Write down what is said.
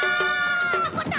のこった！